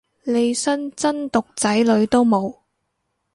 利申真毒仔女都冇